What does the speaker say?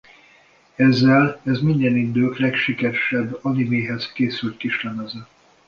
Ezzel ez minden idők legsikeresebb animéhez készült kislemeze.